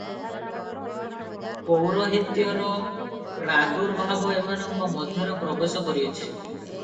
ପୌରହିତ୍ୟର ପ୍ରାଦୁର୍ଭାବ ଏମାନଙ୍କ ମଧ୍ୟରେ ପ୍ରବେଶ କରିଅଛି ।